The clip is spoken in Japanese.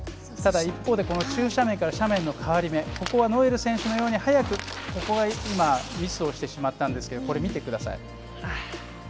ただ一方で、急斜面から斜面の変わり目、ここはノエル選手のように早くミスをしてしまったんですがこれ見てください。